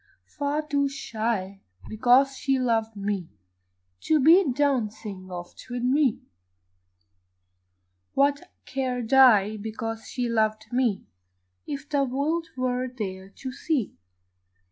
Far too shy, because she loved me, To be dancing oft with me; What cared I, because she loved me, If the world were there to see?